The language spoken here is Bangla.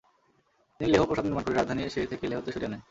তিনি লেহ প্রাসাদ নির্মাণ করে রাজধানী শে থেকে লেহতে সরিয়ে আনেন।